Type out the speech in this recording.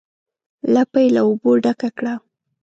لپه یې له اوبو ډکه کړه.